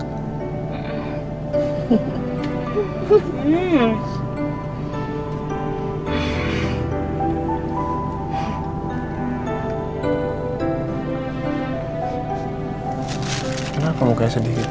kenapa mukanya sedih gitu